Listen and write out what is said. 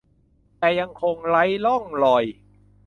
แต่ยังคงไร้ร่องรอย